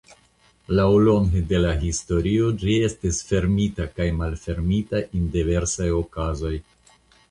Laŭlonge de la historio ĝi estis fermita kaj malfermita en diversaj okazoj.